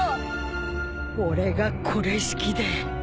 俺がこれしきで